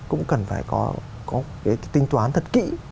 cũng cần phải có tinh toán thật kỹ